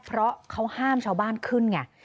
เพราะเขาห้ามชาวบ้านขึ้นไง